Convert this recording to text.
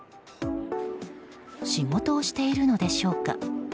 仕事をしているのでしょうか。